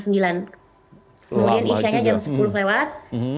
kemudian isa nya jam sepuluh lewat